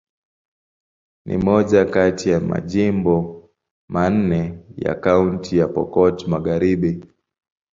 Ni moja kati ya majimbo manne ya Kaunti ya Pokot Magharibi.